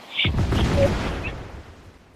শোনো না দাদামহাশয়, তোমার– সুরমা।